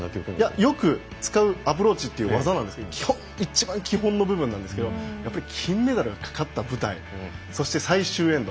よく使うアプローチという技ですが一番基本の部分なんですけどやっぱり金メダルがかかった舞台そして最終エンド。